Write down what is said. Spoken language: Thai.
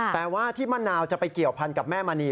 แต่ว่าที่มะนาวจะไปเกี่ยวพันกับแม่มณี